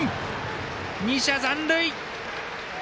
２者残塁！